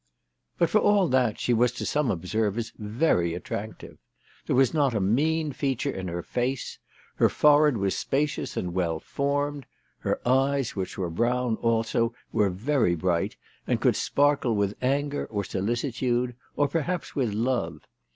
But for all that she was to some observers very attractive. There was not a mean feature in her face. Her forehead was spacious and well formed. Her eyes, which were brown also, were very bright, and could sparkle with anger or solicitude, or perhaps with love.